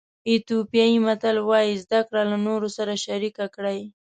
ایتیوپیایي متل وایي زده کړه له نورو سره شریک کړئ.